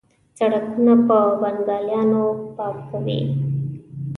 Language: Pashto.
سړکونه په بنګالیانو پاکوي.